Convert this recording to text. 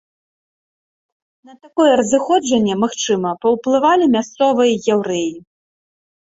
На такое разыходжанне, магчыма, паўплывалі мясцовыя яўрэі.